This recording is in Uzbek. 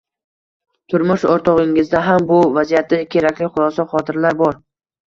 turmush o‘rtog‘ingizda ham bu vaziyatda kerakli xulosa, xotiralar bor.